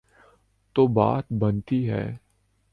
تو بات بنتی ہے۔